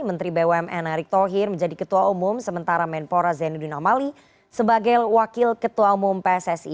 menteri bumn erick thohir menjadi ketua umum sementara menpora zainuddin amali sebagai wakil ketua umum pssi